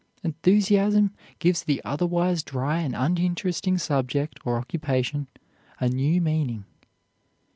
Enthusiasm gives the otherwise dry and uninteresting subject or occupation a new meaning.